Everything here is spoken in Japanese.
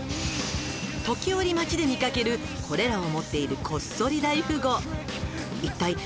「時折街で見かけるこれらを持っているこっそり大富豪」